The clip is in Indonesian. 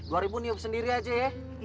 dua ribu niup sendiri aja ya